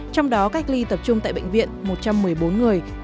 trong đó cách ly tập trung tại bệnh viện một trăm một mươi bốn người